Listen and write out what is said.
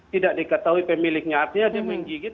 tidak diketahui pemiliknya artinya dia menggigit